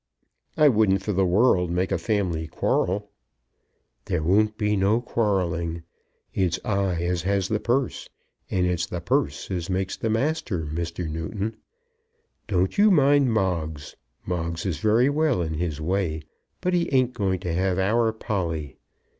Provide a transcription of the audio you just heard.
"I wouldn't for the world make a family quarrel." "There won't be no quarrelling. It's I as has the purse, and it's the purse as makes the master, Mr. Newton. Don't you mind Moggs. Moggs is very well in his way, but he ain't going to have our Polly.